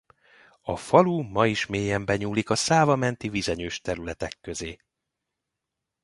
A falu ma is mélyen benyúlik a Száva menti vizenyős területek közé.